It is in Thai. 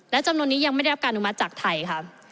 และจำนวนนี้ยังไม่ได้รับการอนุมัติจากไทยค่ะ